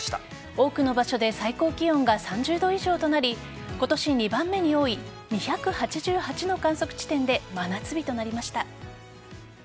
多くの場所で最高気温が３０度以上となり今年２番目に多い２８８の観測地点で真夏日となりました。